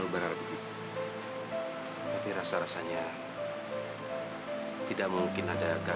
baiklah bagi saya